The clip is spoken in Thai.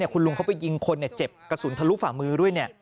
คุณลุงเขาไปยิงคนเจ็บกระสุนทะลุฝ่ามือด้วย